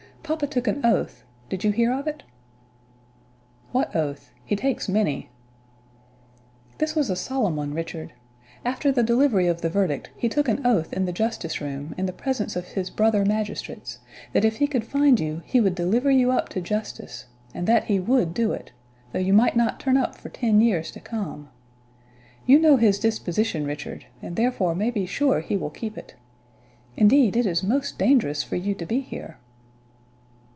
Papa took an oath did you hear of it?" "What oath? He takes many." "This was a solemn one, Richard. After the delivery of the verdict, he took an oath in the justice room, in the presence of his brother magistrates, that if he could find you he would deliver you up to justice, and that he would do it, though you might not turn up for ten years to come. You know his disposition, Richard, and therefore may be sure he will keep it. Indeed, it is most dangerous for you to be here."